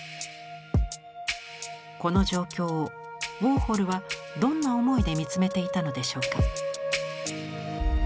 この状況をウォーホルはどんな思いで見つめていたのでしょうか？